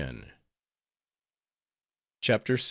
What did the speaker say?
CHAPTER VI.